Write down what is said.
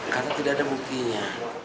karena tidak ada buktinya